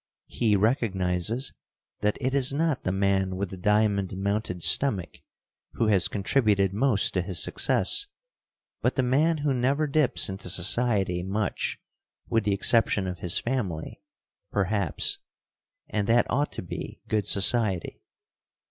He recognizes that it is not the man with the diamond mounted stomach who has contributed most to his success, but the man who never dips into society much with the exception of his family, perhaps, and that ought to be good society.